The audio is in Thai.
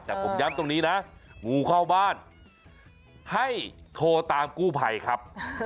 แต่ผมย้ำตรงนี้นะงูเข้าบ้านให้โทรตามกู้ภัยครับ